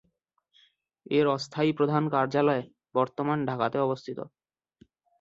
এর অস্থায়ী প্রধান কার্যলয় বর্তমান ঢাকাতে অবস্থিত।